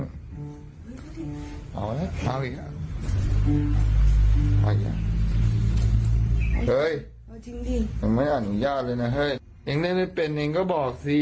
เฮ้ยใจจริงแต่งไม่อนุญาตเลยนะฮะเห็นเป็นบอกซี